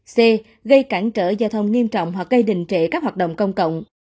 c gây cản trở giao thông nghiêm trọng hoặc gây đình trệ các hoạt động công cộng